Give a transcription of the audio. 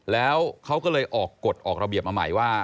แล้วเขาก็เลยออกกฎออกระเบียบมาใหม่ว่า